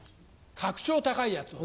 格調高いやつをね。